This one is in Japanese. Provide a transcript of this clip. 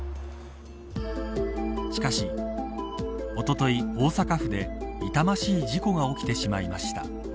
しかし、おととい大阪府で痛ましい事故が起きてしまいました。